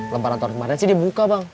lebaran tahun kemarin sih dia buka bang